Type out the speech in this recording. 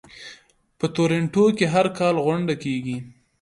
په تورنټو کې هر کال غونډه کیږي.